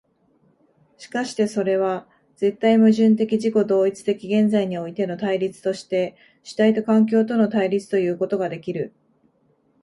しかしてそれは絶対矛盾的自己同一的現在においての対立として主体と環境との対立ということができる。